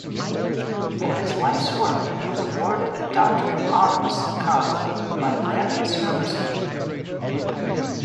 For his life's work he was awarded a Doctorate Honoris Causa by Brandeis University.